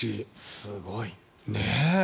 すごい。ね。